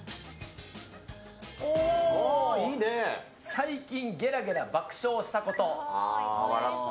最近ゲラゲラ爆笑したこと。